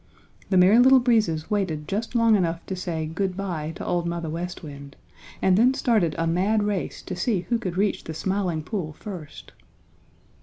The Merry Little Breezes waited just long enough to say "Good by" to Old Mother West Wind, and then started a mad race to see who could reach the Smiling Pool first.